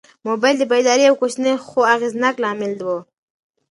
موبایل د بیدارۍ یو کوچنی خو اغېزناک لامل و.